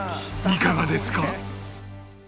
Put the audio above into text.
いかがですか？